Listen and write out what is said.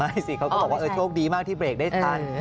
ใช่สิเขาก็บอกว่าโชคดีมากที่เบรกได้ทัน